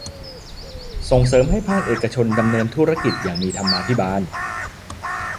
ส่งเสริมให้ภาคเอกชนดำเนินธุรกิจอย่างมีธรรมาภิบาล